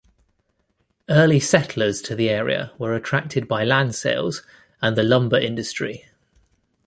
Early settlers to the area were attracted by land sales and the lumber industry.